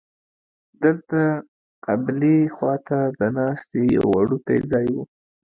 دلته قبلې خوا ته د ناستې یو وړوکی ځای و.